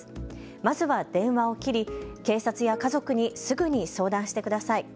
まずは電話を切り警察や家族にすぐに相談してください。